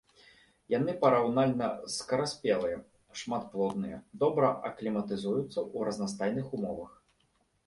Яны параўнальна скараспелыя, шматплодныя, добра акліматызуюцца ў разнастайных умовах.